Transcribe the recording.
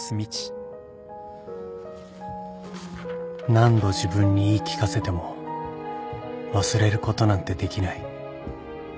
何度自分に言い聞かせても忘れることなんてできない